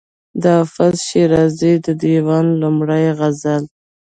د حافظ شیرازي د دېوان لومړی غزل.